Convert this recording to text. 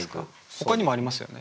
ほかにもありますよね？